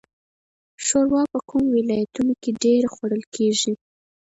شوروا په کومو ولایتونو کې ډیره خوړل کیږي؟